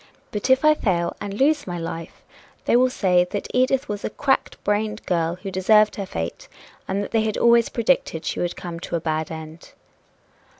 But if I fail and lose my life, they will say that Edith was a cracked brained girl who deserved her fate, and that they had always predicted she would come to a bad end."